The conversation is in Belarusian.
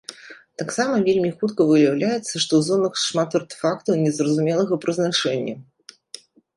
Таксама вельмі хутка выяўляецца, што ў зонах шмат артэфактаў незразумелага прызначэння.